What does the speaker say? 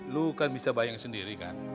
lu kan bisa bayang sendiri kan